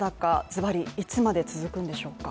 ズバリ、いつまで続くんでしょうか。